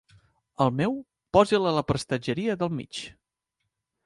El meu, posi'l a la prestatgeria del mig.